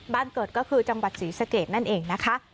บ้านเกิดก็คือจังหวัดศรีสะเกดนั่นเองนะคะ